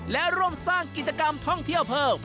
และร่วมสร้างกิจกรรมท่องเที่ยวเพิ่ม